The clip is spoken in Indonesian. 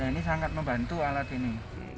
ini sangat membantu alat ini